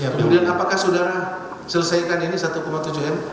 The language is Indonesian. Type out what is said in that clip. kemudian apakah saudara selesaikan ini satu tujuh m